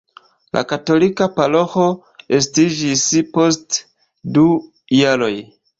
La katolika paroĥo estiĝis post du jaroj.